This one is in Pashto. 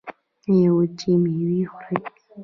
ایا وچې میوې خورئ؟